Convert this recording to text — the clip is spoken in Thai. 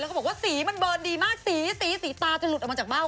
เขาบอกว่าสีมันเบิร์นดีมากสีสีตาจะหลุดออกมาจากเบ้า